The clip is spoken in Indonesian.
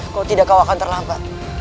kalau tidak kau akan terlambat